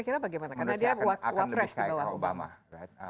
karena dia wapres di bawah obama